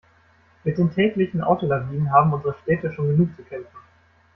Mit den täglichen Autolawinen haben unsere Städte schon genug zu kämpfen.